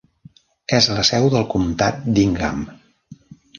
És la seu del comtat d'Ingham.